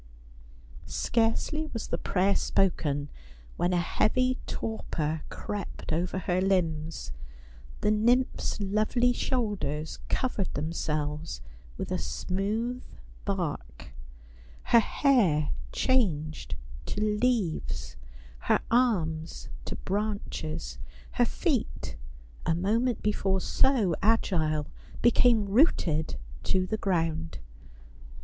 Scarcely was the prayer spoken when a heavy torpor crept over her limbs ; the nymph's lovely shoulders covered themselves ■\\ ith a smooth bark ; her hair changed to leaves ; her arms to branches ; her feet, a moment before so agile, became rooted to the ground.